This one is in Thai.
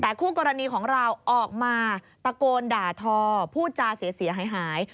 แต่คู่กรณีของเราออกมาตะโกนด่าทอพูดจาเสียหาย